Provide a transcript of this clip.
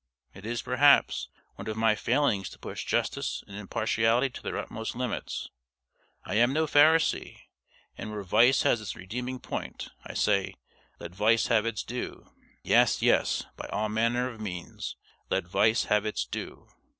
It is, perhaps, one of my failings to push justice and impartiality to their utmost limits. I am no Pharisee; and where Vice has its redeeming point, I say, let Vice have its due yes, yes, by all manner of means, let Vice have its due.